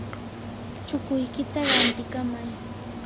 chukuykita rantikamay.